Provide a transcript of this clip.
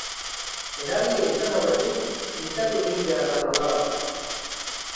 Erabilia izan aurretik, finkatu egin behar da nolabait.